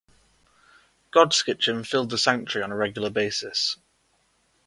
Godskitchen filled the Sanctuary on a regular basis.